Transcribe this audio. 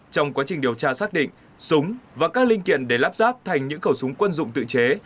trong quá trình điều tra xác định súng và các linh kiện để lắp ráp thành những khẩu súng quân dụng tự chế